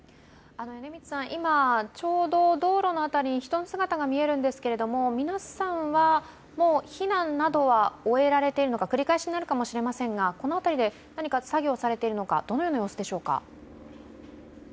今、ちょうど道路の辺りに人の姿が見えるんですけれども皆さんは避難などは終えられているのか、繰り返しになるかもしれませんが、この辺りで何か作業されているのか、どのような様子でしょうか？